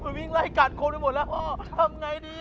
ใช่พ่อมันวิ่งละไก่จงเป็นคนไปหมดแล้วพ่อทำไงดีอ่ะ